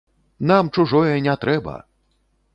Нам чужое не трэба!